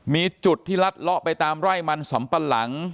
มีจุดที่ลัดเลาะไปตามไร่มันสำปะหลัง